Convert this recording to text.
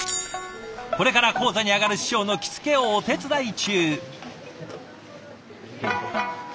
これから高座に上がる師匠の着付けをお手伝い中。